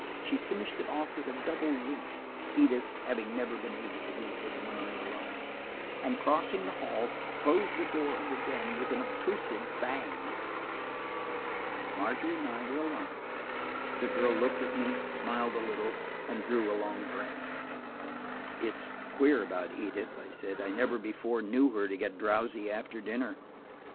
She finished it off with a double wink, Edith having never been able to wink with one eye alone, and crossing the hall, closed the door of the den with an obtrusive bang. Margery and I were alone. The girl looked at me, smiled a little, and drew a long breath. "It's queer about Edith," I said, "I never before knew her to get drowsy after dinner.